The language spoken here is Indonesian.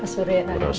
pak surya dan bu rosa